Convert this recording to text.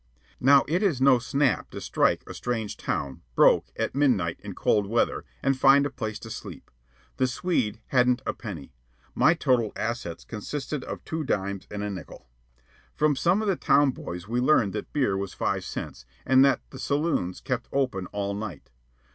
Now it is no snap to strike a strange town, broke, at midnight, in cold weather, and find a place to sleep. The Swede hadn't a penny. My total assets consisted of two dimes and a nickel. From some of the town boys we learned that beer was five cents, and that the saloons kept open all night.